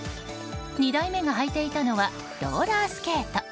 ２代目が履いていたのはローラースケート。